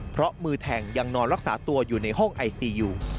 เพราะมือแทงยังนอนรักษาตัวอยู่ในห้องไอซีอยู่